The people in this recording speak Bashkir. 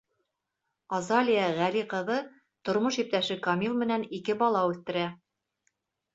Азалия Ғәли ҡыҙы тормош иптәше Камил менән ике бала үҫтерә.